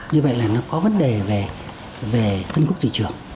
như vậy là nó có vấn đề về phân khúc thị trường